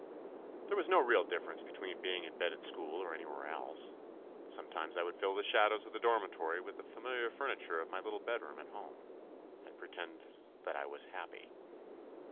There was no real differ ence between being in bed at school or anywhere else ; and sometimes I would fill the shadows of the dormitory with the familiar furniture of my little bedroom at home, and pretend that I was happy.